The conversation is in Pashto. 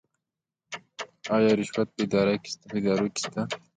آیا رشوت په ادارو کې شته؟